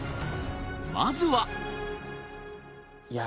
まずは！